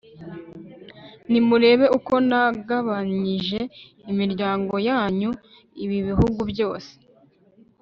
nimurebe uko nagabanyije imiryango yanyu ibi bihugu byose